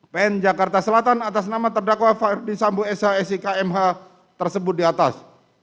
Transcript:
tiga bn jakarta selatan atas nama terdakwa verdi sambu esa isi kmh tersebut di atas